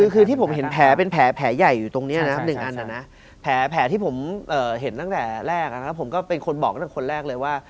คือที่ผมเห็นแผลเป็นแผลใหญ่อยู่ตรงนี้นะครับ๑อันนะแผลที่ผมเห็นตั้งแต่แรกนะครับผมก็เป็นคนบอกตั้งแต่คนแรกเลยว่า